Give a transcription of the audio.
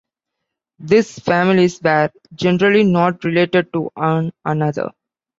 These families were generally not related to one another.